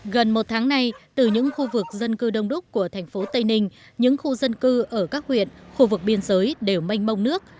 gần một tháng nay từ những khu vực dân cư đông đúc của thành phố tây ninh những khu dân cư ở các huyện khu vực biên giới đều mênh mông nước